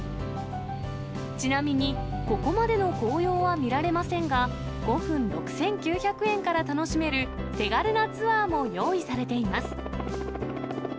ちなみにここまでの紅葉は見られませんが、５分６９００円から楽しめる手軽なツアーも用意されています。